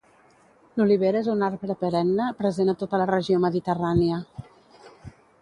L'olivera és un arbre perenne present a tota la regió mediterrània.